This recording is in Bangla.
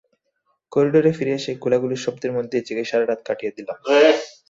করিডরে ফিরে এসে গোলাগুলির শব্দের মধ্যেই জেগে সারা রাত কাটিয়ে দিলাম।